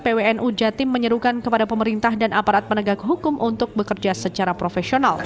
pwnu jatim menyerukan kepada pemerintah dan aparat penegak hukum untuk bekerja secara profesional